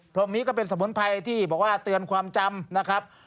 พรมมิก็เป็นสมุนไพรที่เตือนความจำ